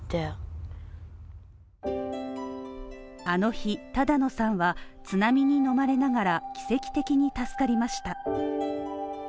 あの日、只野さんは、津波にのまれながら奇跡的に助かりました。